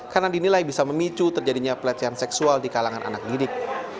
karena dinilai bisa memicu terjadinya pelecehan seksual di kalangan anak didik